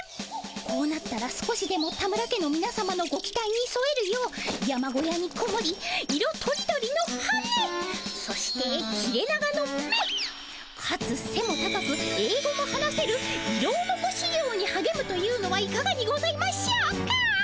こうなったら少しでも田村家のみなさまのご期待にそえるよう山小屋にこもり色とりどりの羽そして切れ長の目かつせも高くえい語も話せるイロオノコしゅぎょうにはげむというのはいかがにございましょうか？